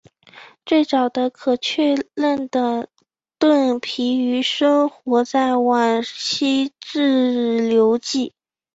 最早的可确认的盾皮鱼生活在晚期志留纪。